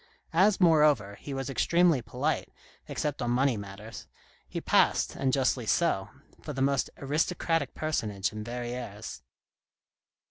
As, moreover, he was extremely polite, except on money matters, he passed, and justly so, for the most aristocratic personage in Verrieres.